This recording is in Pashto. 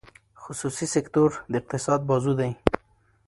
خصوصي سکتور د اقتصاد بازو دی.